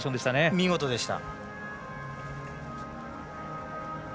見事でした。